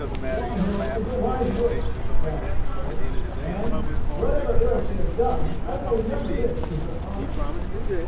"Swanhild is a wise witch," gasped Eric, "and, whatever ill she has done, I will remember this to her honour."